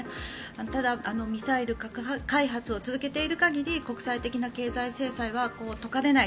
ただ、ミサイル、核開発を続けている限り国際的な経済制裁は解かれない。